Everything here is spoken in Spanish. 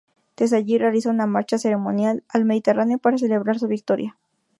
Desde allí realiza una marcha ceremonial al Mediterráneo para celebrar su victoria.